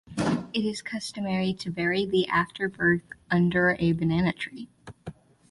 It is customary to bury the afterbirth under a banana tree.